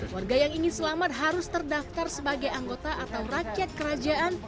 warga yang ingin selamat harus terdaftar sebagai anggota atau rakyat kerajaan